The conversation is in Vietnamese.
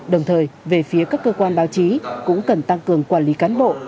đồng thời về phía các cơ quan báo chí cũng cần tăng cường quản lý cán bộ